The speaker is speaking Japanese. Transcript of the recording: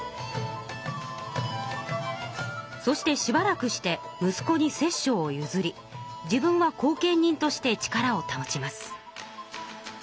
そしてしばらくしてむすこに摂政をゆずり自分は後見人として力を保ちます。